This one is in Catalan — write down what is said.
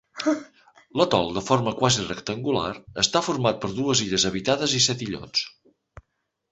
L'atol, de forma quasi rectangular, està format per dues illes habitades i set illots.